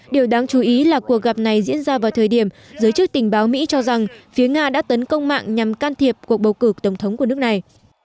điều đáng chú ý là cuộc gặp này diễn ra vào thời điểm giới chức tình báo mỹ cho rằng phía nga đã tấn công mạng nhằm can thiệp cuộc bầu cử tổng thống của nước này